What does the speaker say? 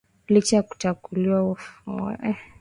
Licha ya kukataliwa, hakufa moyo